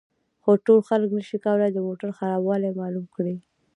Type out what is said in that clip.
خو ټول خلک نشي کولای د موټر خرابوالی معلوم کړي